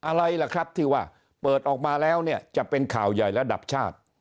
อะไรล่ะครับที่ว่าเปิดออกมาแล้วเนี่ยจะเป็นข่าวใหญ่ระดับชาติ